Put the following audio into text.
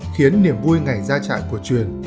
khiến niềm vui ngày ra trại của truyền